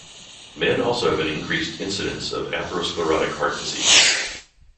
Men also have an increased incidence of atherosclerotic heart disease.